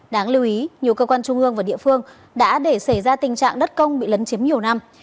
đáng lưu ý nhiều cơ quan trung ương và địa phương đã để xảy ra tình trạng đất công bị lấn chiếm nhiều năm